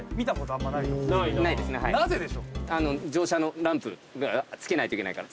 あの乗車のランプ付けないといけないから。